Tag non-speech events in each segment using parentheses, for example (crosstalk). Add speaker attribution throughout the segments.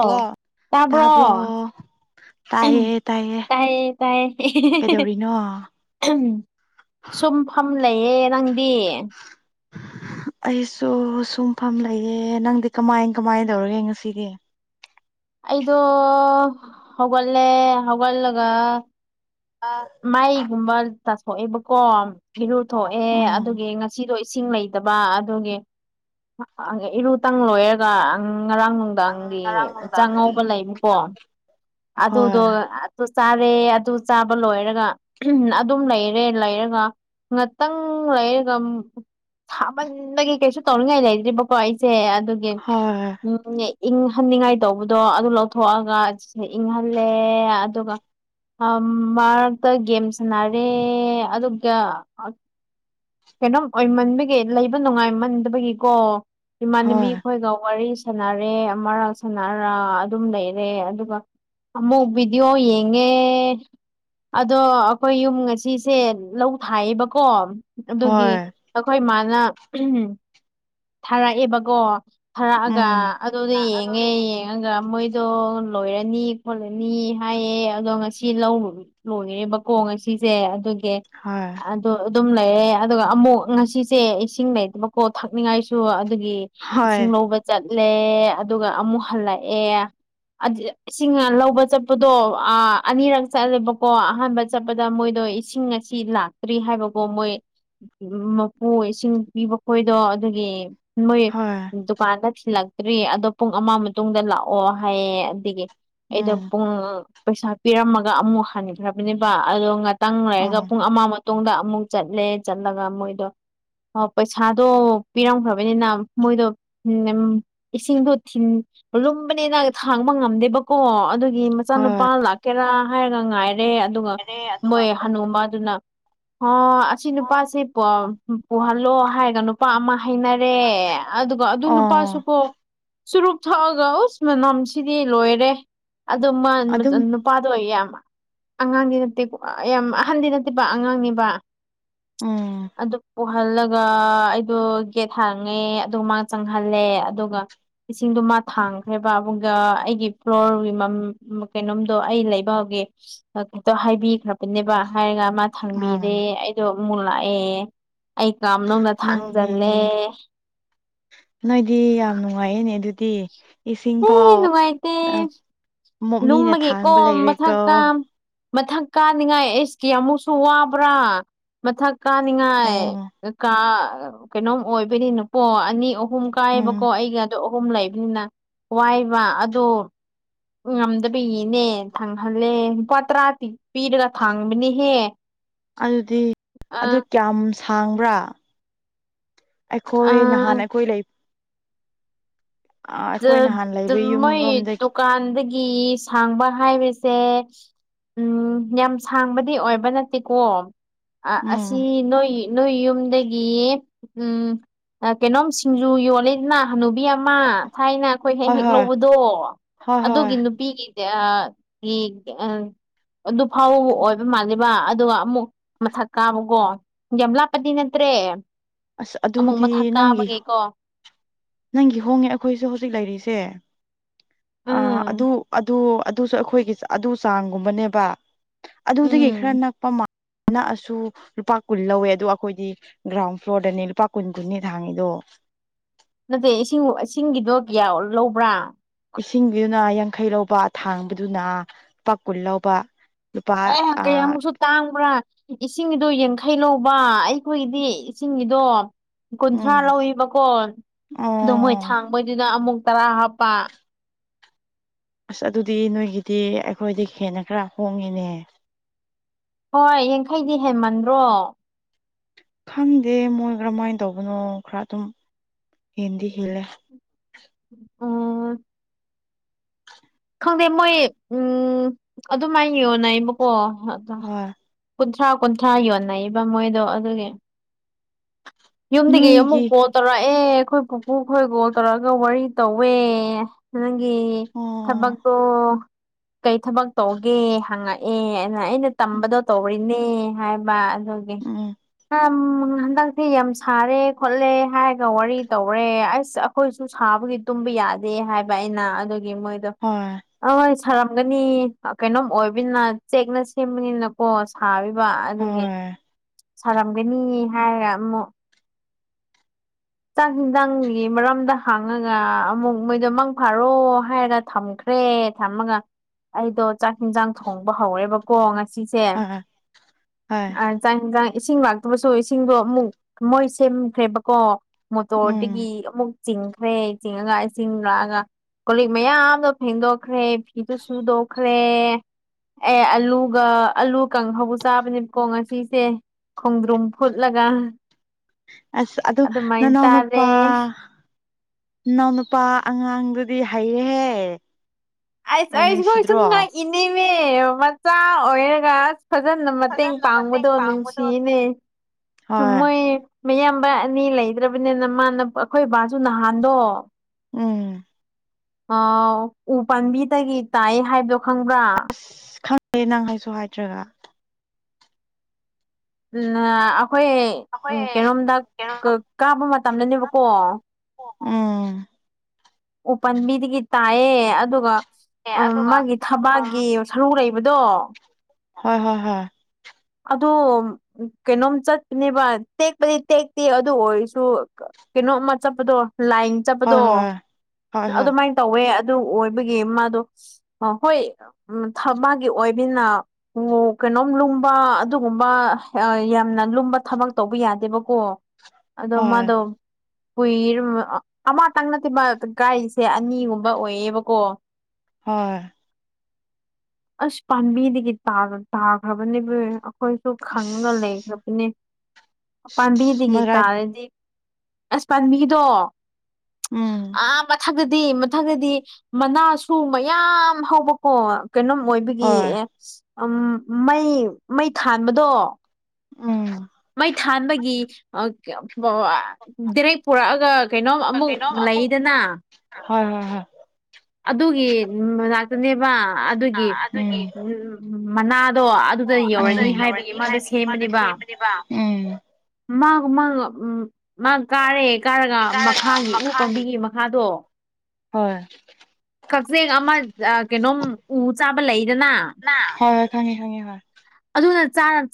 Speaker 1: Hello
Speaker 2: ꯇꯥꯕ꯭ꯔꯣ ꯇꯥꯏꯌꯦ ꯇꯥꯢꯌꯦ
Speaker 1: ꯀꯩꯗꯧꯔꯤꯅꯣ
Speaker 2: ꯁꯨꯝ ꯐꯝ ꯂꯩꯌꯦ ꯅꯪꯗꯤ
Speaker 1: ꯑꯩꯁꯨ ꯁꯨꯡ ꯐꯝ ꯂꯩꯑꯦ ꯅꯪꯗꯤ ꯀꯃꯥꯏ ꯀꯃꯥꯏꯅ ꯇꯧꯔꯒꯦ ꯉꯁꯤꯒꯤ
Speaker 2: ꯑꯩꯗꯣ ꯍꯧꯒꯠꯂꯦ ꯍꯧꯒꯠꯂꯒ
Speaker 1: ꯑꯥ
Speaker 2: ꯃꯥꯏꯒꯨꯝꯕ ꯇꯥꯊꯣꯛꯑꯦꯕꯀꯣ ꯏꯔꯨꯊꯣꯛꯑꯦ ꯑꯗꯨꯒꯤ ꯉꯁꯤꯗꯣ ꯏꯁꯤꯡ ꯂꯩ ꯇꯕ ꯑꯗꯨꯒꯤ ꯏꯔꯨ ꯇꯪ ꯂꯣꯏꯔꯒ ꯉꯔꯥꯡ ꯒꯤ
Speaker 1: ꯉꯔꯥꯡ ꯅꯨꯡꯗꯥꯡꯒꯤ
Speaker 2: ꯆꯥꯛꯉꯧꯕ ꯂꯩꯕꯀꯣ
Speaker 1: ꯍꯣꯏ
Speaker 2: ꯑꯗꯨꯗꯣ ꯑꯗꯨ ꯆꯥꯔꯦ ꯑꯗꯨ ꯆꯥ ꯂꯣꯏꯔꯒ ꯎ ꯑꯗꯨꯝ ꯂꯩꯔꯦ ꯂꯩꯔꯒ ꯉꯥꯛꯇꯪ ꯂꯩꯔꯒ ꯁꯥꯃꯟꯕꯒꯤ ꯀꯩꯁꯨ ꯇꯧꯅꯤꯡꯉꯥꯏ ꯂꯩꯇꯦꯕꯀꯣ ꯑꯩꯁꯦ ꯑꯗꯨꯒꯤ
Speaker 1: ꯍꯣꯏ
Speaker 2: ꯎꯝ ꯏꯪꯍꯟꯅꯤꯡꯉꯥꯏ ꯇꯧꯕꯗꯣ ꯑꯗꯨ ꯂꯧꯊꯣꯛꯑꯒ ꯏꯪꯍꯜꯂꯦ ꯑꯗꯨꯒ ꯑꯥ ꯃꯔꯛꯇ ꯒꯦꯝ ꯁꯥꯟꯅꯔꯦ ꯑꯗꯨꯒ ꯀꯩꯅꯣꯝ ꯑꯣꯏꯃꯟꯕꯒꯤ ꯂꯩꯕ ꯅꯨꯡꯉꯥꯏꯃꯟꯗꯕꯒꯤꯀꯣ ꯏꯃꯥꯟꯅꯕꯤ
Speaker 1: ꯍꯣꯏ
Speaker 2: ꯑꯩꯈꯣꯏꯒ ꯋꯥꯔꯤ ꯁꯥꯟꯅꯔꯦ ꯑꯃꯥꯔꯛ ꯁꯥꯟꯅꯔ ꯑꯗꯨꯝ ꯂꯩꯔꯦ ꯑꯗꯨꯒ ꯑꯃꯨꯛ ꯕꯤꯗꯣꯌꯦ ꯌꯦꯡꯉꯦ ꯑꯗꯣ ꯑꯩꯈꯣꯏ ꯌꯨꯝ ꯉꯁꯤꯁꯦ ꯂꯧ ꯊꯥꯏꯌꯦꯕꯀꯣ ꯑꯗꯨꯒꯤ
Speaker 1: ꯍꯣꯏ
Speaker 2: ꯑꯩꯈꯣꯏ ꯃꯥꯅ ꯊꯥꯔꯛꯑꯦꯕꯀꯣ ꯊꯥꯔꯛꯑꯒ
Speaker 1: ꯎꯝ
Speaker 2: ꯑꯗꯨꯗꯣ ꯌꯦꯡꯉꯦ
Speaker 1: ꯑꯗꯨꯗꯤ
Speaker 2: ꯌꯦꯡ (unintelligible) ꯒ ꯃꯣꯏꯗꯣ ꯂꯣꯏꯔꯅꯤ ꯈꯣꯠꯂꯅꯤ ꯍꯥꯏꯌꯦ ꯑꯗꯣ ꯉꯁꯤ ꯁꯤ ꯂꯧ ꯂꯣꯏꯕꯀꯣꯡ ꯉꯁꯤꯁꯦ ꯑꯗꯨꯒꯤ
Speaker 1: ꯍꯥꯏ
Speaker 2: ꯑꯗꯨ ꯑꯗꯨꯝ ꯂꯩꯔꯦ ꯑꯗꯨꯒ ꯑꯃꯨꯛ ꯉꯁꯤꯁꯦ ꯏꯁꯤꯡ ꯂꯩꯇꯕꯀꯣ ꯊꯛꯅꯤꯡꯉꯥꯏꯁꯨ ꯑꯗꯨꯒꯤ
Speaker 1: ꯍꯣꯏ
Speaker 2: ꯏꯁꯤꯡ ꯂꯧꯕ ꯆꯠꯂꯦ ꯑꯗꯨꯒ ꯑꯃꯨꯛ ꯍꯜꯂꯛꯑꯦ ꯑꯗꯨꯌ ꯏꯁꯤꯡ ꯂꯧꯕ ꯆꯠꯄꯗꯣ ꯑꯅꯤꯔꯛ ꯆꯠꯂꯦꯕꯀꯣ ꯑꯍꯥꯟꯕ ꯆꯠꯄꯗ ꯃꯣꯏꯗꯣ ꯏꯁꯤꯡ ꯉꯁꯤ ꯂꯥꯛ ꯇꯔꯤ ꯍꯥꯏꯕꯀꯣ ꯃꯣꯏ ꯃꯄꯨ ꯏꯁꯤꯡ ꯄꯤꯕ ꯈꯣꯏꯗꯣ ꯑꯗꯨꯒꯤ ꯃꯣꯏ
Speaker 1: ꯍꯣꯏ
Speaker 2: ꯗꯨꯀꯥꯟꯗ ꯊꯤꯜꯂꯛꯇ꯭ꯔꯤ ꯑꯗꯣ ꯄꯨꯡ ꯑꯃ ꯃꯇꯨꯡꯗ ꯂꯥꯛꯑꯣ ꯍꯥꯏꯌꯦ ꯑꯗꯨꯒꯤ ꯑꯩꯗꯣ
Speaker 1: ꯎꯝ
Speaker 2: ꯄꯨꯡ ꯄꯩꯁꯥ ꯄꯤꯔꯝꯃꯒ ꯑꯃꯨꯛ ꯍꯟꯈ꯭ꯔꯕꯅꯦꯕ ꯑꯗꯣ ꯉꯥꯛꯇꯪ
Speaker 1: ꯎꯝ
Speaker 2: ꯂꯔꯒ ꯄꯨꯡ ꯑꯃ ꯃ ꯇꯨꯡꯗ ꯑꯃꯨꯛ ꯆꯠꯂꯦ ꯆꯠꯂꯒ ꯃꯣꯏꯗꯣ ꯄꯩꯁꯥꯗꯣ ꯄꯤꯔꯝꯈ꯭ꯔꯕꯅꯤꯅ ꯃꯣꯏꯗꯣ ꯎ ꯎ ꯏꯁꯤꯡꯗꯣ ꯊꯤꯟ ꯂꯨꯝꯕꯅꯤꯅ ꯊꯥꯡꯕ ꯉꯝꯗꯦꯕꯀꯣ ꯑꯗꯨꯒꯤ
Speaker 1: ꯍꯣꯏ
Speaker 2: ꯃꯆꯥꯅꯨꯄꯥ ꯂꯥꯛꯀꯦꯔꯥ ꯍꯥꯏꯔꯒ ꯉꯥꯏꯔꯦ ꯑꯗꯨꯒ
Speaker 1: ꯌꯥꯔꯦ ꯑꯗꯨꯒ
Speaker 2: ꯃꯣꯏ ꯍꯅꯨꯃꯗꯨꯅ ꯑꯣ ꯑꯁꯤ ꯅꯨꯄꯥꯁꯤ ꯄꯨ ꯄꯨꯍꯜꯂꯣ ꯍꯥꯏꯔꯒ ꯅꯨꯄꯥ ꯑꯃ ꯅꯔꯦ ꯑꯗꯨꯒ ꯑꯗꯨ
Speaker 1: ꯑꯣ
Speaker 2: ꯅꯨꯄꯥꯁꯨ ꯑꯣ ꯆꯨꯔꯨꯞ ꯊꯛꯑꯒ ꯎꯁ ꯃꯅꯝꯁꯤꯗꯤ ꯂꯣꯏꯔꯦ ꯑꯗꯣ
Speaker 1: ꯑꯗꯨꯝ
Speaker 2: (unintelligible) ꯅꯨꯄꯥꯗꯣ ꯌꯥꯝ ꯑꯉꯥꯡꯗꯤ ꯅꯠꯇꯦꯀ ꯌꯥꯝ ꯑꯍꯟꯗꯤ ꯅꯠꯇꯦꯕ ꯑꯉꯥꯡꯅꯤꯕ
Speaker 1: ꯎꯝ
Speaker 2: ꯑꯗꯨ ꯄꯨꯍꯜꯂꯒ ꯑꯩꯗꯣ ꯒꯦꯠ ꯍꯥꯡꯉꯦ ꯑꯗꯨ ꯃꯥ ꯆꯪꯍꯜꯂꯦ ꯑꯗꯨꯒ ꯏꯁꯤꯡꯗꯣ ꯃꯥ ꯊꯥꯡꯈ꯭ꯔꯦꯕ ꯑꯗꯨꯒ ꯑꯩꯒꯤ ꯐ꯭ꯂꯣꯔꯒꯤ ꯀꯩꯅꯣꯝꯗꯣ ꯑꯩ ꯂꯩꯕꯒꯦ ꯇꯣ ꯍꯥꯏꯕꯤꯈ꯭ꯔꯕꯅꯦꯕ ꯍꯥꯏꯔꯒ ꯃꯥ
Speaker 1: ꯑ
Speaker 2: ꯊꯥꯡꯕꯤꯔꯦ ꯑꯩꯗꯣ ꯑꯃꯨꯛ ꯂꯥꯛꯑꯦ ꯑꯩ ꯀꯥ ꯃꯅꯨꯡꯗ
Speaker 1: ꯅꯪꯒꯤ
Speaker 2: ꯊꯥꯡꯖꯤꯜ
Speaker 1: ꯅꯣꯏꯗꯤ ꯌꯥꯝ ꯅꯨꯡꯉꯥꯏꯌꯦꯅꯦ ꯑꯗꯨꯗꯤ ꯏꯁꯤꯡ ꯄꯥꯎ ꯑ
Speaker 2: ꯂꯨꯝꯕꯒꯤ ꯀꯣ ꯃꯊꯛ ꯀꯥꯝ ꯃꯊꯪ ꯀꯥꯅꯤꯡꯉꯥꯏ ꯑꯩꯁ ꯀꯌꯥ ꯑꯃꯨꯛꯁꯨ ꯋꯥꯕ꯭ꯔꯥ ꯃꯊꯛ ꯀꯥꯅꯤꯡꯉꯥꯏ
Speaker 1: ꯑꯣ
Speaker 2: ꯀꯥ ꯀꯩꯅꯣꯝ ꯑꯣꯏꯕꯅꯤꯅꯨꯀꯣ ꯑꯅꯤ ꯑꯍꯨ ꯑꯍꯨꯝ
Speaker 1: ꯎꯝ
Speaker 2: ꯀꯥꯏꯕꯀꯣ ꯑꯩꯒ ꯑꯗꯣ ꯑꯍꯨꯝ ꯂꯩꯕꯅꯤꯅ ꯋꯥꯏꯕ ꯑꯗꯣ ꯎꯝ ꯉꯝꯗꯕꯒꯤꯅꯦ ꯊꯥꯡꯍꯜꯂꯦ ꯂꯨꯄꯥ ꯇꯔꯥ ꯄꯤꯔꯒ ꯊꯥꯡꯕꯅꯤꯍꯦ
Speaker 1: ꯑꯗꯨꯗꯤ ꯑꯗꯨ ꯀꯌꯥꯝ ꯁꯥꯡꯕ꯭ꯔꯥ
Speaker 2: ꯑ
Speaker 1: ꯑꯩꯈꯣꯏ ꯅꯍꯥꯟ ꯑꯩꯈꯣꯏ ꯂꯩ ꯑꯩꯈꯣꯏ ꯅꯍꯥꯟ ꯂꯩꯕ
Speaker 2: ꯃꯣꯏ
Speaker 1: ꯌꯨꯝꯔꯣꯝꯗꯒꯤ
Speaker 2: ꯗꯨꯀꯥꯟꯗꯒꯤ ꯁꯥꯡꯕ ꯍꯥꯏꯕꯁꯦ ꯎꯝ ꯌꯥꯝ ꯁꯥꯡꯕꯗꯤ ꯑꯣꯏꯕ ꯅꯠꯇꯦꯀꯣ
Speaker 1: ꯎꯝ
Speaker 2: ꯑꯁꯤ ꯅꯣꯏ ꯅꯣꯏ ꯌꯨꯝꯗꯒꯤ ꯎꯝ ꯀꯩꯅꯣꯝ ꯁꯤꯡꯖꯨ ꯌꯣꯂꯦꯗꯅ ꯍꯅꯨꯕꯤ ꯑꯃ ꯊꯥꯏꯅ ꯑꯩꯈꯣꯏ ꯍꯦꯛ
Speaker 1: ꯍꯣꯏ
Speaker 2: ꯍꯦꯛ
Speaker 1: ꯍꯣꯏ
Speaker 2: ꯂꯧꯕꯗꯣ
Speaker 1: ꯍꯣꯏ ꯍꯣꯏ
Speaker 2: ꯑꯗꯨꯒꯤ ꯅꯨꯄꯤꯒꯤ ꯌꯥ ꯊꯤ ꯑꯥ (unintelligible) ꯑꯗꯨ ꯐꯥꯎꯕꯕꯨ ꯑꯣꯏꯕ ꯃꯥꯜꯂꯤꯕ ꯑꯗꯨꯒ ꯑꯃꯨꯛ ꯃꯊꯛ ꯀꯥꯕꯀꯣ ꯌꯥꯝ ꯂꯥꯞꯄꯗꯤ ꯅꯠꯇ꯭ꯔꯦ
Speaker 1: ꯑꯁ
Speaker 2: ꯑꯃꯨꯛ
Speaker 1: ꯑꯗꯨꯗꯤ
Speaker 2: ꯃꯊꯛ
Speaker 1: ꯅꯪꯒꯤ
Speaker 2: ꯀꯥꯕꯒꯤꯀꯣ
Speaker 1: ꯅꯪꯒꯤ ꯍꯣꯡꯉꯦ ꯑꯩꯈꯣꯏꯁꯨ ꯍꯧꯖꯤꯛ ꯂꯩꯔꯤꯁꯦ
Speaker 2: ꯎꯝ
Speaker 1: ꯑꯗꯨ ꯑꯗꯨ ꯑꯗꯨꯁꯨ ꯑꯩꯈꯣꯏꯒꯤ ꯑꯗꯨ ꯆꯥꯡꯒꯨꯝꯕꯅꯦꯕ ꯑꯗꯨꯗꯒꯤ
Speaker 2: ꯎꯝ
Speaker 1: ꯈꯔ ꯅꯛꯄ ꯃꯥꯟ ꯅꯅꯥꯛꯑꯁꯨ ꯂꯨꯄꯥ ꯀꯨꯟ ꯂꯧꯋꯦ ꯑꯗꯣ ꯑꯩꯈꯣꯏꯗꯤ ꯒ꯭ꯔꯥꯎꯟ ꯐ꯭ꯂꯣꯔꯗꯅꯤ ꯂꯨꯄꯥ ꯀꯨꯟ ꯀꯨꯟꯅꯤ ꯊꯥꯡꯉꯤꯗꯣ
Speaker 2: ꯅꯠꯇꯦ ꯏꯁꯤꯡ ꯏꯁꯤꯡꯒꯤꯗꯣ ꯀꯌꯥ ꯂꯧꯕ꯭ꯔꯥ?
Speaker 1: ꯏꯁꯤꯡꯗꯨꯅ ꯌꯥꯡꯈꯩ ꯂꯧꯕ ꯑꯊꯥꯡꯕꯗꯨꯅ ꯂꯨꯄꯥ ꯀꯨꯟ ꯂꯧꯕ ꯂꯨꯄꯥ
Speaker 2: ꯑꯦ ꯀꯩ
Speaker 1: ꯑꯥ
Speaker 2: ꯑꯃꯨ ꯁ ꯇꯥꯡꯕ꯭ꯔꯥ ꯏꯁꯤꯡꯗꯣ ꯌꯦꯡꯈꯩ ꯂꯧꯕ ꯑꯩꯈꯣꯏꯒꯤꯗꯤ ꯏꯁꯤꯡꯒꯤꯗꯣ ꯀꯨꯟꯊ꯭ꯔꯥ
Speaker 1: ꯎꯝ
Speaker 2: ꯂꯧꯋꯕꯀꯣ ꯑꯣ ꯃꯣꯏ ꯊꯥꯡꯕꯩꯗꯨꯅ ꯑꯃꯨꯛ ꯇꯔꯥ ꯍꯥꯞꯄ
Speaker 1: ꯑꯁ ꯑꯗꯨꯗꯤ ꯅꯣꯏꯒꯤꯗꯤ ꯑꯩꯈꯣꯏꯗꯤ ꯍꯦꯟꯅ ꯈꯔ ꯍꯣꯡꯉꯤꯅꯦ꯫
Speaker 2: ꯍꯣꯏ ꯌꯥꯡꯈꯩꯗꯤ ꯍꯦꯟꯃꯟꯗ꯭ꯔꯣ
Speaker 1: ꯈꯪꯗꯦ ꯃꯣꯏ ꯀꯔꯝꯃꯥꯏꯅ ꯇꯧꯕꯅꯣ ꯈꯔ ꯑꯗꯨꯝ ꯍꯦꯟꯗꯤ ꯍꯦꯜꯂꯦ꯫
Speaker 2: ꯑꯣ ꯈꯪꯗꯦ ꯃꯣꯏ ꯎꯝ ꯑꯗꯨꯃꯥꯏꯅ ꯌꯣꯟꯅꯩꯕꯀꯣ ꯑꯗ
Speaker 1: ꯍꯣꯏ
Speaker 2: ꯀꯨꯟꯊ꯭ꯔꯥ ꯀꯨꯟꯊ꯭ꯔꯥ ꯌꯣꯟꯅꯩꯑꯕ ꯃꯣꯏꯗꯣ ꯑꯗꯨꯒꯤ ꯌꯨꯝꯗꯤꯗꯒꯤꯩ ꯑꯃꯨꯛ
Speaker 1: ꯅꯣꯏꯒꯤ
Speaker 2: ꯀꯣꯜ ꯇꯧꯔꯛꯑꯦ ꯑꯩꯈꯣꯏ ꯄꯨꯄꯨ ꯈꯣꯏ ꯀꯣꯜ ꯇꯧꯔꯛꯑꯒ ꯋꯥꯔꯤ ꯇꯧꯋꯦ꯫ ꯅꯪꯒꯤ
Speaker 1: ꯑꯣ
Speaker 2: ꯊꯕꯛꯇꯣ ꯀꯩ ꯊꯕꯛ ꯇꯧꯒꯦ ꯍꯪꯉꯛ ꯑꯦ ꯑꯗꯨ ꯑꯩꯅ
Speaker 1: ꯎꯝ
Speaker 2: ꯇꯝꯕꯗꯣ ꯇꯧꯔꯤꯅꯦ ꯍꯥꯏꯕ ꯑꯗꯨꯒꯤ
Speaker 1: ꯎꯝ
Speaker 2: ꯎꯝ ꯍꯟꯗꯥꯛ ꯁꯤ ꯌꯥꯝ ꯁꯥꯔꯦ ꯈꯣꯠꯂꯦ ꯍꯥꯏꯔꯒ ꯋꯥꯔꯤ ꯇꯧꯔꯦ ꯑꯁ ꯑꯩꯈꯣꯏꯁꯨ ꯁꯥꯕꯒꯤ ꯇꯨꯝꯕ ꯌꯥꯗꯦ ꯍꯥꯏꯕ ꯑꯩꯅ ꯑꯗꯨꯒꯤ ꯃꯣꯏꯗꯣ
Speaker 1: ꯍꯣꯏ
Speaker 2: ꯑꯣꯏ ꯁꯥꯔꯝꯒꯅꯤ ꯀꯩꯅꯣꯝ ꯑꯣꯏꯕꯅꯤꯅ ꯆꯦꯛꯅ ꯁꯦꯝꯕꯅꯤꯅꯀꯣ ꯁꯥ ꯑꯗꯨꯒꯤ
Speaker 1: ꯍꯣꯏ
Speaker 2: ꯁꯥꯔꯝꯒꯅꯤ ꯍꯥꯏꯔꯒ ꯑꯃꯨꯛ ꯆꯛ ꯆꯥꯛ ꯍꯤꯟꯖꯥꯡꯒꯤ ꯃꯔꯝꯗ ꯍꯥꯡꯉꯒ ꯑꯃꯨꯛ ꯃꯣꯏꯗꯣ ꯃꯪ ꯐꯥꯔꯣ ꯍꯥꯏꯔꯒ ꯊꯝꯈ꯭ꯔꯦ꯫ ꯐꯦ ꯊꯝꯃꯒ ꯑꯩꯗꯣ ꯆꯥꯛ ꯌꯦꯟꯖꯥꯡ ꯊꯣꯡꯕ ꯍꯧꯔꯦꯕ ꯀꯣ ꯉꯁꯤꯁꯦ
Speaker 1: ꯍꯣꯏ ꯍꯣꯏ
Speaker 2: ꯑ ꯆꯥꯡꯟꯁꯥꯡ ꯏꯁꯤꯡ ꯂꯥꯛꯇꯕꯁꯨ ꯏꯁꯤꯡꯗꯣ ꯑꯃꯨꯛ ꯃꯣꯏ ꯁꯦꯝꯈ꯭ꯔꯦꯕꯀꯣ
Speaker 1: ꯎꯝ
Speaker 2: ꯃꯣꯇꯣꯔꯗꯒꯤ ꯑꯃꯨꯛ ꯆꯤꯡꯈ꯭ꯔꯦ ꯆꯤꯡꯉꯒ ꯏꯁꯤꯡ ꯂꯥꯛꯑꯒ ꯀꯣꯂꯤꯛ ꯃꯌꯥꯝꯗꯣ ꯐꯦꯡꯗꯣꯛꯈ꯭ꯔꯦ ꯐꯤꯗꯨ ꯁꯨꯗꯣꯛꯈ꯭ꯔꯦ꯫ ꯑꯦ ꯑꯂꯨꯒ ꯑꯥꯂꯨꯒꯍ ꯆꯥꯕꯅꯦꯕꯀꯣ ꯉꯁꯤꯁꯦ꯫ ꯈꯣꯡꯗ꯭ꯔꯨꯝ ꯐꯨꯠꯂꯒ
Speaker 1: ꯑꯁ ꯑꯗꯨꯗ
Speaker 2: ꯑꯗꯨꯃꯥꯏꯅ
Speaker 1: ꯅꯅꯋꯥꯅꯄꯥ
Speaker 2: ꯆꯥꯔꯦ
Speaker 1: ꯏꯅꯥꯎ ꯅꯨꯨꯄꯥ ꯑꯉꯥꯡꯗꯨꯗꯤ ꯍꯩꯔꯦꯍꯦ꯫
Speaker 2: ꯑꯩꯁ
Speaker 1: ꯌꯥꯝ
Speaker 2: ꯑꯩꯁꯤꯕꯨ ꯁꯨꯝ ꯉꯛ
Speaker 1: ꯅꯨꯡꯁꯤꯗ꯭ꯔꯣ
Speaker 2: ꯏꯅꯦꯃꯦ ꯃꯆꯥ ꯑꯣꯏꯔꯒ ꯐꯖꯅ ꯃꯇꯦꯡ
Speaker 1: ꯐꯖꯅ ꯃꯇꯦꯡ
Speaker 2: ꯄꯥꯡꯕꯗꯣ
Speaker 1: ꯄꯥꯡꯕꯗꯣ
Speaker 2: ꯅꯨꯡꯁꯤꯅꯦ
Speaker 1: ꯍꯣꯏ
Speaker 2: ꯃꯣꯏ ꯃꯌꯥꯝꯕ ꯑꯅꯤ ꯂꯩꯇ꯭ꯔꯕꯅꯤꯅ ꯃꯥꯅ ꯑꯩꯈꯣꯏ ꯕꯥꯁꯨ ꯅꯍꯥꯟꯗꯣ
Speaker 1: ꯎꯝ
Speaker 2: ꯑ ꯎ ꯄꯥꯝꯕꯤꯗꯒꯤ ꯇꯥꯏ ꯍꯥꯏꯕꯗꯣ ꯈꯪꯕ꯭ꯔꯥ
Speaker 1: ꯑꯁ ꯈꯪꯉꯦ ꯅꯪ ꯍꯥꯏꯁꯨ ꯍꯥꯏꯗ꯭ꯔꯒ
Speaker 2: ꯎ ꯑꯩꯈꯣꯏ
Speaker 1: ꯑꯩꯈꯣꯏ
Speaker 2: ꯀꯩꯅꯣꯝꯗ
Speaker 1: ꯀꯩꯅꯣ
Speaker 2: ꯀꯥꯕ ꯃꯇꯝꯗꯅꯦꯕꯀꯣ
Speaker 1: ꯎꯝ
Speaker 2: ꯎ ꯄꯝꯕꯤꯗꯒꯤ ꯇꯥꯏꯑꯦ ꯑꯗꯨꯒ
Speaker 1: ꯑꯦ
Speaker 2: ꯎ
Speaker 1: ꯑꯗꯨꯒ
Speaker 2: ꯃꯥꯒꯤ
Speaker 1: ꯑ
Speaker 2: ꯊꯕꯥꯛꯀꯤ ꯁꯔꯨ ꯂꯩꯕꯗꯣ
Speaker 1: ꯍꯣꯏ ꯍꯣꯏ ꯍꯣꯏ
Speaker 2: ꯑꯗꯨ ꯀꯩꯅꯣꯝ ꯆꯠꯄꯅꯦꯕ ꯇꯦꯛꯄꯗꯤ ꯇꯦꯛꯇꯤ ꯑꯗꯨ ꯑꯣꯏꯔꯁꯨ ꯀꯩꯅꯣꯝ ꯑꯃ ꯆꯠꯄꯗꯣ ꯂꯥꯏꯟ
Speaker 1: ꯍꯣꯏ
Speaker 2: ꯆꯠꯄꯗꯣ
Speaker 1: ꯍꯣꯏ ꯍꯣꯏ ꯍꯣꯏ
Speaker 2: ꯑꯗꯨꯃꯥꯏꯅ ꯇꯧꯋꯦ ꯑꯗꯨ ꯑꯣꯏꯕꯒꯤ ꯑꯃ ꯑꯗꯣ ꯍꯣꯏ ꯎꯝ ꯊꯕꯥꯛꯀꯤ ꯑꯣꯏꯕꯤꯅ ꯑꯣ ꯀꯩꯅꯣꯝ ꯂꯨꯝꯕ ꯑꯗꯨꯒꯨꯝꯕ ꯌꯥꯝꯅ ꯂꯨꯝꯕ ꯊꯕꯛ ꯇꯧꯕ ꯌꯥꯗꯦꯕꯀꯣ ꯑꯗꯣ
Speaker 1: ꯍꯣꯏ
Speaker 2: ꯃꯥꯗꯣ ꯎꯨꯏꯔ ꯑꯥ ꯑꯇꯥꯡꯅꯠꯇꯕ ꯀꯥꯏꯁꯦ ꯑꯅꯤꯒꯨꯝꯕ ꯑꯣꯏꯌꯦꯕꯀꯣ
Speaker 1: ꯍꯣꯏ
Speaker 2: ꯑꯁ ꯄꯥꯝꯕꯤꯗꯒꯤ ꯇꯥꯈ꯭ꯔꯕꯅꯦꯕ ꯑꯩꯈꯣꯏꯁꯨ ꯈꯪꯉ ꯂꯩꯈ꯭ꯔ
Speaker 1: ꯑꯁ
Speaker 2: ꯏꯅꯦ ꯄꯥꯝꯕꯤꯗꯒꯤ
Speaker 1: ꯃꯔꯥꯏ
Speaker 2: ꯇꯥꯔꯗꯤ ꯑꯁ ꯄꯥꯝꯕꯤꯗꯣ
Speaker 1: ꯎꯝ
Speaker 2: ꯑ ꯃꯊꯛꯇꯗꯤ ꯃꯊꯛꯇꯗꯤ ꯃꯅꯥꯁꯨ ꯃꯌꯥꯝ ꯍꯧꯕꯀꯣ ꯀꯩꯅꯣꯝ ꯑꯣꯏꯕꯒꯤ
Speaker 1: ꯍꯣꯏ
Speaker 2: ꯑꯦ ꯎꯝ ꯃꯩ ꯃꯩ ꯊꯥꯟꯕꯗꯣ
Speaker 1: ꯎꯝ
Speaker 2: ꯃꯩ ꯊꯥꯟꯕꯒꯤ ꯗꯦꯔꯦꯛ ꯄꯨꯔꯛꯑꯒ ꯀꯩꯅꯣꯝ ꯑꯃꯨꯛ
Speaker 1: ꯀꯩꯅꯣꯝ ꯑꯃꯨꯛ
Speaker 2: ꯂꯩꯗꯅ
Speaker 1: ꯍꯣꯏ ꯍꯣꯏ ꯍꯣꯏ
Speaker 2: ꯑꯗꯨꯒꯤ ꯃꯅꯥꯛꯇꯅꯦꯕ ꯑꯗꯨꯒꯤ
Speaker 1: ꯑꯥ ꯑꯗꯨꯒꯤ
Speaker 2: ꯎꯝ ꯃꯅꯥꯗꯣ ꯑꯗꯨꯗ ꯌꯧꯔꯅꯤ ꯍꯥꯏꯕꯒꯤ ꯃꯥꯗꯣ ꯁꯦꯝꯃꯦ
Speaker 1: ꯁꯦꯕꯗꯤ ꯋꯥ ꯎ
Speaker 2: ꯃꯥꯒ ꯃꯥꯒ ꯎꯝ ꯃꯥ ꯀꯥꯔꯦ ꯀꯥꯔꯒ ꯃꯈꯥꯒꯤ ꯎꯃꯨ ꯄꯥꯝꯕꯤꯒꯤ ꯃꯈꯥꯗꯣ
Speaker 1: ꯍꯣꯏ
Speaker 2: ꯀꯛꯆꯤꯡ ꯑꯃ ꯀꯩꯅꯣꯝ ꯎ ꯆꯥꯕ ꯂꯩꯗꯅ
Speaker 1: ꯍ ꯍꯣꯏ ꯊꯉꯦ ꯊꯉꯦ ꯍ
Speaker 2: ꯑꯗꯨꯅ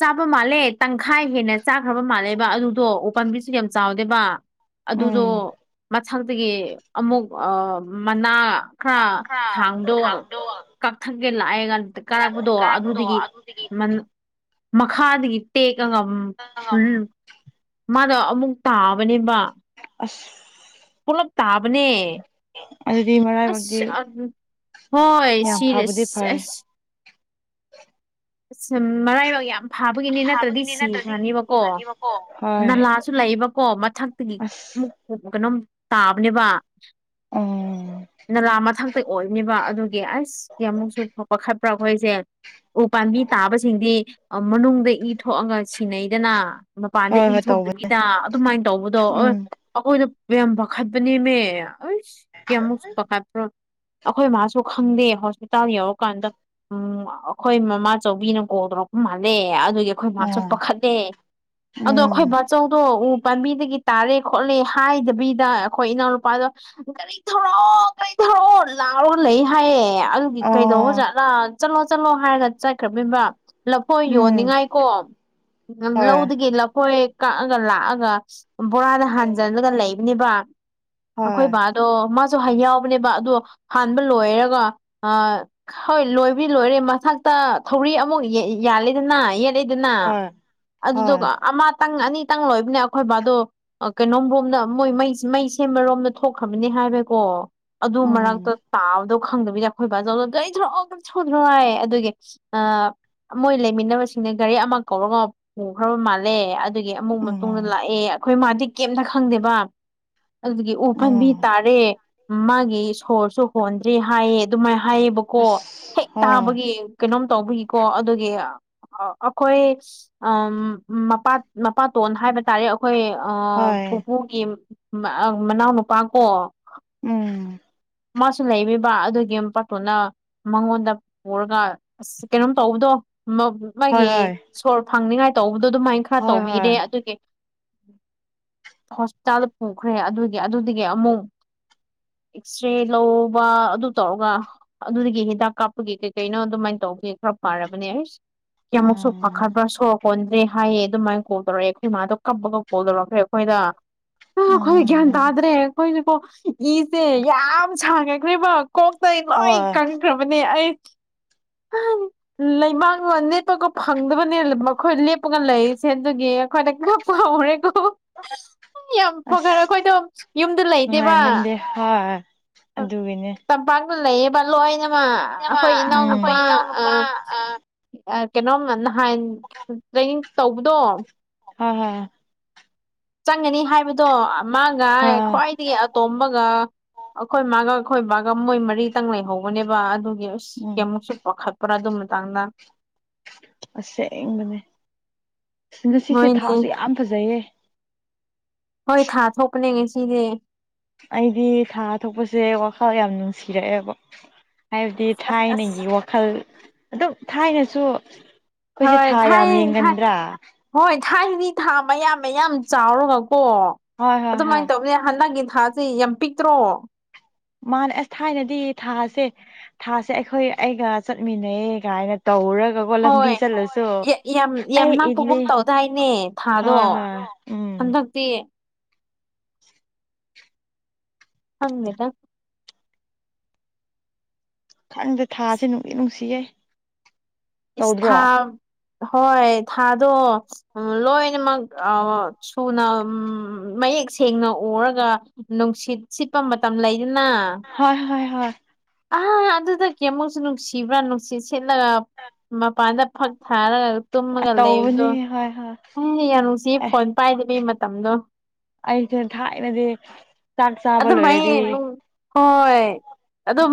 Speaker 2: ꯆꯥꯕ ꯃꯥꯜꯂꯦ ꯇꯪꯈꯥꯏ ꯍꯦꯟꯅ ꯆꯥꯈ꯭ꯔꯕ ꯃꯥꯜꯂꯦꯕ ꯑꯗꯨ ꯗꯣ ꯎꯄꯥꯝꯕꯤꯁꯨ ꯌꯥꯝ ꯆꯥꯎꯗꯦꯕ ꯑꯗꯨꯗꯣ
Speaker 1: ꯎꯝ
Speaker 2: ꯃꯊꯛꯇꯒꯤ ꯑꯃꯨꯛ ꯑꯥ ꯃꯅꯥ ꯈꯔ ꯊꯥꯡꯗꯣ
Speaker 1: ꯊꯥꯕꯗꯣ
Speaker 2: ꯀꯛꯊꯛꯀꯦ ꯂꯥꯛꯑꯦꯒꯥ ꯀꯥꯔꯛꯄꯗꯣ ꯑꯗꯨꯗꯒꯤ ꯃꯈꯥꯗꯗꯒꯤ ꯇꯦꯛ ꯀꯒ ꯎꯝ ꯃꯥꯗꯣ ꯑꯃꯨꯛ ꯇꯥꯕꯅꯦꯕ
Speaker 1: ꯑꯁ
Speaker 2: ꯄꯨꯂꯞ ꯇꯥꯕꯅꯦ
Speaker 1: ꯑꯗꯨꯗꯤ ꯃꯔꯥꯏꯕꯛꯇꯤ
Speaker 2: ꯑꯁ ꯍꯣꯏ
Speaker 1: ꯌꯥꯝ ꯐꯕꯗꯤ
Speaker 2: ꯁꯤꯔꯁꯤ
Speaker 1: ꯐꯔꯦ
Speaker 2: ꯑꯁ ꯃꯔꯥꯏꯕꯛ ꯌꯥꯝ ꯐꯥꯕꯒꯤꯅꯤ ꯅꯠꯇ꯭ꯔꯗꯤ
Speaker 1: ꯊꯥꯕꯒꯤꯅꯤ ꯅꯠꯇ꯭ꯔꯗꯤ
Speaker 2: ꯁꯤꯈ꯭ꯔꯅꯤꯕꯀꯣ
Speaker 1: ꯊꯤꯈ꯭ꯔꯅꯤꯕꯀꯣ ꯍꯣꯏ
Speaker 2: ꯅꯂꯥꯁꯨ ꯂꯩꯌꯦꯕꯀꯣ ꯃꯊꯛꯇꯒꯤ ꯑꯃꯨꯛ
Speaker 1: ꯑꯁ
Speaker 2: ꯀꯩꯅꯣꯝ ꯇꯥꯕꯅꯦꯕ
Speaker 1: ꯎꯝ
Speaker 2: ꯅꯂꯥ ꯃꯊꯪ ꯑꯣꯏꯕꯅꯤꯕ ꯑꯗꯨꯒꯤ ꯑꯁ ꯀꯩ ꯑꯃꯨꯛꯁꯨ ꯐꯛꯄ ꯈꯠꯄ꯭ꯔꯥ ꯑꯩꯈꯣꯏꯁꯦ ꯎ ꯄꯥꯝꯕꯤ ꯇꯥꯕꯁꯤꯡꯗꯤ ꯃꯅꯨꯡꯗ ꯏ ꯊꯣꯛꯑꯒ ꯁꯤꯅꯩꯗꯅ ꯃꯄꯥꯟꯗ
Speaker 1: ꯍꯣꯏ
Speaker 2: ꯏ
Speaker 1: ꯍꯣꯏ ꯇꯧꯕꯅꯦ
Speaker 2: ꯊꯣꯛꯇꯥꯕꯤꯗꯥ ꯑꯗꯨꯃꯥꯏꯅ ꯇꯧꯕꯗꯣ ꯑꯣꯏ
Speaker 1: ꯎꯝ
Speaker 2: ꯑꯩꯈꯣꯏꯅ ꯌꯥꯝ ꯄꯥꯈꯥꯠꯄꯅꯦꯃꯦ ꯀꯌꯥꯃꯨꯛ ꯄꯥꯈꯥꯠ ꯑꯩꯈꯣꯏ ꯃꯥꯁꯨ ꯈꯪꯗꯦ ꯍꯣꯁꯄꯤꯇꯥꯜ ꯌꯧꯔꯀꯥꯟꯗ ꯎꯝ ꯑꯩꯈꯣꯏ ꯃꯃꯥꯆꯧꯕꯤꯅ ꯀꯣꯜ ꯇꯧꯔꯛꯄ ꯃꯥꯜꯂꯦ ꯑꯗꯨꯒꯤ ꯑꯩꯈꯣꯏ ꯃꯁꯨ
Speaker 1: ꯎꯝ
Speaker 2: ꯄꯥꯈꯠꯂꯦ ꯑꯗꯣ
Speaker 1: ꯎꯝ
Speaker 2: ꯑꯩꯈꯣꯏ ꯕꯥꯆꯧꯗꯣ ꯎ ꯄꯥꯝꯕꯤꯗꯒꯤ ꯇꯥꯔꯦ ꯈꯣꯠꯂꯦ ꯍꯥꯏꯗꯕꯤ ꯑꯗꯥ ꯑꯩꯈꯣꯏ ꯏꯅꯥꯎ ꯅꯨꯨꯄꯥꯗꯣ ꯀꯔꯤ ꯊꯧꯔꯛꯑꯣ ꯀꯔꯤ ꯊꯧꯔꯛꯑꯣ ꯂꯧꯔꯒ ꯂꯩ ꯍꯥꯏꯌꯦ ꯑꯗꯨꯒꯤ
Speaker 1: ꯑꯣ
Speaker 2: ꯀꯩꯗꯧꯕꯥꯖꯠꯂꯥ ꯆꯠꯂꯣ ꯆꯠꯂꯣ ꯍꯥꯏꯔꯒ ꯆꯠꯈ꯭ꯔꯕꯤꯝꯕ ꯂꯐꯣꯏ
Speaker 1: ꯎꯝ
Speaker 2: ꯌꯣꯟꯅꯤꯡꯉꯥꯏꯀꯣ
Speaker 1: ꯍꯣꯏ
Speaker 2: ꯂꯝꯂꯧꯗꯒꯤ ꯂꯐꯣꯏ ꯀꯛꯑꯒ ꯂꯥꯛꯑꯒ ꯕꯣꯔꯥꯗ
Speaker 1: ꯎꯝ
Speaker 2: ꯍꯥꯟꯖꯜꯂꯒ ꯂꯩꯕꯅꯦꯕ
Speaker 1: ꯍꯣꯏ
Speaker 2: ꯑꯩꯈꯣꯏ ꯕꯥ ꯑꯗꯣ ꯃꯥꯁꯨꯍꯥ ꯌꯥꯎꯕꯅꯦꯕ ꯑꯗꯣ ꯍꯥꯟꯕ ꯂꯣꯏꯔꯒ ꯑꯥ ꯍꯣꯏ ꯂꯣꯏꯕ ꯂꯣꯏꯔꯦ ꯃꯊꯛꯇ ꯊꯧꯔꯤ ꯑꯃꯨꯛ ꯌꯥꯜꯂꯦꯗꯅ ꯌꯦ ꯂꯩꯗꯅꯥ
Speaker 1: ꯍꯣꯏ ꯍꯣꯏ
Speaker 2: ꯑꯗꯨꯗꯀꫭ ꯑꯃꯠ ꯇꯪ ꯑꯅꯤꯇꯪ ꯂꯣꯏꯕꯅꯦ ꯑꯩꯈꯣꯏ ꯕꯥꯗꯣ ꯀꯩꯅꯣꯝ ꯕꯣꯝꯗ ꯃꯣꯏ ꯃꯩ ꯃꯩ ꯁꯦꯝꯕꯔꯣꯝꯗ ꯊꯣꯛꯈ꯭ꯔꯕꯅꯤ ꯍꯥꯏꯕꯩꯀꯣ ꯑꯗꯨ
Speaker 1: ꯎꯝ
Speaker 2: ꯃꯔꯛꯇ ꯇꯥꯕꯗꯣ ꯈꯪꯗꯕꯤꯗ ꯑꯩꯈꯣꯏ ꯕꯥꯖꯧꯗꯣ ꯒꯥꯔꯤ ꯊꯧꯔꯛ ꯑꯣ ꯊꯧꯔꯛꯇꯔꯤꯕꯣ ꯍꯏꯌꯦ ꯃꯣꯏ ꯂꯩꯃꯤꯟꯅꯕꯁꯤꯡꯅ ꯒꯥꯔꯤ ꯑꯃ ꯀꯧꯔꯒ ꯄꯨꯈ꯭ꯔꯕ ꯃꯥꯜꯂꯦ ꯑꯗꯨꯒꯤ ꯑꯃꯨꯛ ꯃꯇꯨꯡꯗ
Speaker 1: ꯎꯝ
Speaker 2: ꯂꯥꯛꯑꯦ ꯑꯩꯈꯣꯏ ꯃꯥꯗꯤ ꯀꯩꯝꯇ ꯈꯪꯗꯦꯕ ꯑꯗꯨꯗꯒꯤ ꯎ ꯐꯟꯕꯤ
Speaker 1: ꯎꯝ
Speaker 2: ꯇꯥꯔꯦ ꯃꯥꯒꯤ ꯁꯣꯔꯁꯨ ꯍꯣꯟꯗ꯭ꯔꯦ ꯍꯥꯏꯌꯦ ꯑꯗꯨꯃꯥꯏꯅ ꯍꯥꯏꯌꯦꯕꯀꯣ
Speaker 1: ꯑꯁ
Speaker 2: ꯍꯦꯛ
Speaker 1: ꯍꯣꯏ
Speaker 2: ꯇꯥꯕꯒꯤ ꯀꯩꯅꯣꯝ ꯇꯧꯕꯒꯤꯀꯣ ꯑꯗꯨꯒꯤ ꯑꯩꯈꯣꯏ ꯑꯝ ꯃꯄꯥ ꯃꯄꯥꯇꯣꯟ ꯍꯥꯏꯕ ꯇꯥꯔꯦ ꯑꯩꯈꯣꯏ
Speaker 1: ꯍꯣꯏ
Speaker 2: ꯄꯨꯄꯨꯒꯤ ꯃꯅꯥꯎ ꯅꯨꯄꯥ ꯀꯣ
Speaker 1: ꯎꯝ
Speaker 2: ꯃꯥꯁꯨ ꯂꯩꯕꯤꯕ ꯑꯗꯨꯒꯤ ꯃꯄꯥꯇꯣꯟꯗ ꯃꯉꯣꯟꯗ ꯄꯨꯔꯒ ꯑꯁ ꯀꯩꯅꯣꯝ ꯇꯧꯕꯗꯣ
Speaker 1: ꯍꯣꯏ
Speaker 2: ꯃꯥꯒꯤ
Speaker 1: ꯍꯣꯏ
Speaker 2: ꯁꯣꯔ ꯐꯪꯅꯤꯉꯥꯏ ꯇꯧꯕꯗꯣ ꯑꯗꯨꯃꯥꯏꯅ ꯈꯔ
Speaker 1: ꯍꯣꯏ
Speaker 2: ꯇꯧꯕꯤꯔꯦ
Speaker 1: ꯍꯣꯏ
Speaker 2: ꯑꯗꯨꯒꯤ ꯍꯣꯁꯄꯤꯇꯥꯜꯗ ꯄꯨꯈ꯭ꯔꯦ ꯑꯗꯨꯒꯤ ꯑꯗꯨꯗꯒꯤ ꯑꯃꯨꯛ ꯑꯦꯛꯁꯔꯦ ꯂꯧꯕ ꯑꯗꯨ ꯇꯧꯔꯒ ꯑꯗꯨꯗꯒꯤ ꯍꯤꯗꯥꯛ ꯀꯥꯞꯄꯒꯤ ꯀꯩ ꯀꯩꯅꯣ ꯑꯗꯨꯃꯥꯏꯅ ꯇꯧꯕꯒꯤꯦ ꯈꯔ ꯄꯥꯔꯕꯅꯦ ꯑꯩꯁ ꯌꯃꯨꯛ ꯁꯣꯛ
Speaker 1: ꯎꯝ
Speaker 2: ꯄꯈꯠꯕ ꯁꯣ ꯍꯣꯟꯗ꯭ꯔꯦ ꯍꯥꯏꯌꯦ ꯑꯗꯨꯃꯥꯏꯅ ꯀꯣꯜ ꯇꯧꯔꯛꯑꯦ ꯑꯩꯈꯣꯏ ꯃꯥꯗꯣ ꯀꯞꯄꯒ ꯀꯣꯜ ꯇꯧꯔꯛꯈ꯭ꯔꯦ ꯑꯩꯈꯣꯏꯗ ꯑ ꯑꯩꯈꯣꯏ ꯒ꯭ꯌꯥꯟ
Speaker 1: ꯎꯝ
Speaker 2: ꯇꯥꯗ꯭ꯔꯦ ꯑꯩꯈꯣꯏꯅꯀꯣ ꯏꯁꯦ ꯌꯥꯝ ꯁꯥꯡꯉꯦꯈꯔꯕ ꯀꯣꯛꯇꯩ ꯂꯣꯏ
Speaker 1: ꯍꯣꯏ
Speaker 2: ꯀꯪꯈ꯭ꯔꯕꯅꯦ ꯑꯩ ꯂꯩꯕꯥꯛꯅ ꯅꯦꯠꯄꯒ ꯐꯪꯗꯕꯅꯦ ꯃꯈꯣꯏ ꯂꯦꯞꯄꯒ ꯂꯩꯔꯤꯁꯦꯗꯨꯒꯤ ꯑꯩꯈꯣꯏꯗ ꯈꯞ ꯐꯥꯎꯔꯦꯀꯣ ꯌꯥꯝ
Speaker 1: ꯑꯁ
Speaker 2: ꯐꯈꯔꯦ ꯑꯩꯈꯣꯏꯗꯣ ꯌꯨꯝꯗ ꯂꯩꯗꯦꯕ
Speaker 1: ꯅꯨꯡꯉꯥꯏꯃꯟꯗꯦ ꯍꯣꯏ ꯑꯗꯨꯒꯤꯅꯦ
Speaker 2: ꯄꯥꯛꯇ ꯂꯩꯌꯦꯕ ꯂꯣꯏꯅꯃꯛ ꯑꯩꯈꯣꯏ ꯏꯅꯥꯎꯅꯨꯄꯥ ꯑ ꯀꯩꯅꯣꯝ ꯅꯍꯥꯟ ꯇ꯭ꯔꯦꯅꯤꯡ ꯇꯧꯕꯗꯣ
Speaker 1: ꯍ ꯍ
Speaker 2: ꯆꯪꯒꯅꯤ ꯍꯥꯏꯕꯗꯣ ꯃꯥꯒ
Speaker 1: ꯍꯣꯏ
Speaker 2: ꯈ꯭ꯋꯥꯏꯗꯒꯤ ꯑꯇꯣꯝꯕꯒ ꯑꯩꯈꯣꯏ ꯃꯥꯒ ꯑꯩꯈꯣꯏ ꯕꯥꯒ ꯃꯣꯏ ꯃꯔꯤꯇꯪ ꯂꯩꯍꯧꯕꯅꯦꯕ ꯑꯗꯨꯒꯤ ꯑꯁ
Speaker 1: ꯎꯝ
Speaker 2: ꯀꯩꯃꯨꯛꯁꯨ ꯄꯥꯈꯠꯄ꯭ꯔꯥ ꯑꯗꯨ ꯃꯇꯥꯡꯗ
Speaker 1: ꯑꯁꯦꯡꯕꯅꯦ ꯉꯁꯤꯁꯦ
Speaker 2: ꯍꯣꯏꯅꯦ
Speaker 1: ꯊꯥꯁꯨ ꯌꯥꯝ ꯐꯖꯩꯌꯦ
Speaker 2: ꯍꯣꯏ ꯊꯥ ꯊꯣꯛꯀꯅꯦ ꯉ ꯁꯤꯁꯦ
Speaker 1: ꯑꯩꯗꯤ ꯊꯥ ꯊꯣꯛꯄꯁꯦ ꯋꯥꯈꯜ ꯌꯥꯝ ꯅꯨꯡꯁꯤꯔꯛꯑꯦꯕ ꯍꯥꯏꯕꯗꯤ
Speaker 2: ꯑꯁ ꯑꯁ
Speaker 1: ꯊꯥꯏꯅꯒꯤ ꯋꯥꯈꯜ ꯑꯗꯨꯝ ꯊꯥꯏꯅꯁꯨ ꯑꯩꯈꯣꯏꯁꯦ ꯊꯥ
Speaker 2: ꯊꯥꯏ
Speaker 1: ꯌꯥꯝ ꯌꯦꯡꯒꯟꯗ꯭ꯔꯥ
Speaker 2: ꯍꯣꯏ ꯊꯥꯏ ꯍꯗꯤ ꯊꯥ ꯃꯌꯥꯝ ꯃꯌꯥꯝ ꯆꯥꯎꯔꯒꯀꯣ
Speaker 1: ꯍꯣꯏ ꯍꯣꯏ
Speaker 2: ꯑꯗꯨꯃꯥꯏꯅ
Speaker 1: ꯍꯣꯏ
Speaker 2: ꯇꯧꯅꯦ ꯍꯟꯗꯛꯀꯤ ꯊꯥꯁꯦ ꯌꯥꯝ ꯄꯤꯛꯇ꯭ꯔꯣ
Speaker 1: ꯃꯥꯅꯦ ꯑꯁ ꯊꯥꯏꯅꯗꯤ ꯊꯥꯁꯦ ꯊꯥꯁꯦ ꯑꯩꯈꯣꯏ ꯑꯩꯒ ꯆꯠꯃꯤꯟꯅꯩꯌꯦ ꯀꯥꯏꯅ ꯇꯧꯔꯒ
Speaker 2: ꯍꯣꯏ ꯌꯥꯝ ꯌꯥꯝ
Speaker 1: ꯑꯩ ꯏꯜꯂꯤ
Speaker 2: ꯅꯛꯄꯒꯨꯝ ꯇꯧꯗꯥꯏꯅꯦ ꯊꯥꯗꯣ
Speaker 1: ꯍꯣꯏ ꯍꯣꯏ ꯎꯝ
Speaker 2: ꯍꯟꯗꯛ ꯄꯦ
Speaker 1: (unintelligible)
Speaker 2: ꯍꯪꯅꯤꯗ
Speaker 1: ꯈꯪꯗꯦ ꯊꯥꯁꯦ ꯅꯨꯡꯗꯤꯠ ꯅꯨꯡꯁꯤꯌꯦꯦ
Speaker 2: ꯊꯥ ꯍꯣꯏ ꯊꯥꯗꯣ ꯂꯣꯏꯅꯃꯛ ꯁꯨꯅ ꯎ ꯃꯌꯦꯛ ꯁꯦꯡꯅ ꯎꯔꯒ ꯅꯨꯡꯁꯤꯠ ꯁꯤꯠꯄ ꯃꯇꯝ ꯂꯩꯗꯅ
Speaker 1: ꯍꯣꯏ ꯍꯣꯏ ꯍꯣꯏ
Speaker 2: ꯑ ꯑꯗꯨꯗ ꯀꯦꯃꯨꯛꯁꯨ ꯅꯨꯡꯁꯤꯕ꯭ꯔꯥ ꯅꯨꯡꯁꯤꯠ ꯁꯤꯦꯠꯂꯒ ꯃꯄꯥꯟꯗ ꯐꯛ ꯊꯥꯔꯒ
Speaker 1: ꯑꯁ
Speaker 2: ꯇꯨꯝꯃꯒ ꯂꯩꯕꯗꯣ
Speaker 1: ꯇꯧꯕꯅꯤ ꯍꯣꯏ ꯍꯣꯏ
Speaker 2: ꯑꯦ ꯌꯥ ꯨꯁꯤ
Speaker 1: ꯑꯦ
Speaker 2: ꯐꯣꯟ ꯄꯥꯏꯗꯕꯤ ꯃꯇꯝꯗꯣ
Speaker 1: ꯑꯩꯁꯦ ꯊꯥꯏꯅꯗꯤ ꯆꯥꯛ ꯆꯥꯕ
Speaker 2: ꯑꯗꯨꯃꯥꯏ
Speaker 1: ꯂꯣꯏꯔꯗꯤ
Speaker 2: ꯍꯣꯏ ꯑꯗꯣ